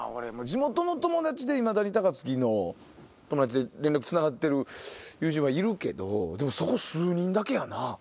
地元の友達でいまだに高槻の友達で連絡つながってる友人はいるけどでもそこ数人だけやな。